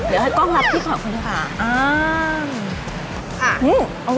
เดี๋ยวให้กล้องรับพี่ของหนึ่ง